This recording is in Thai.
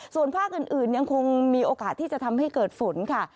ส่วนภาคอื่นยังคงมีโอกาสที่จะทำให้เกิดฝนค่ะ